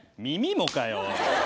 耳もかよ！